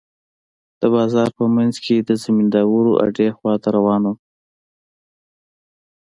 د بازار په منځ کښې د زمينداورو اډې خوا ته روان وم.